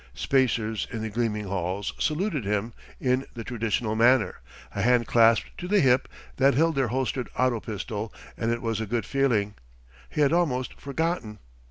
Spacers, in the gleaming halls, saluted him in the traditional manner a hand clasped to the hip that held their holstered auto pistol and it was a good feeling. He had almost forgotten.